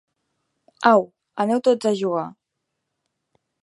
Au, aneu tots a jugar.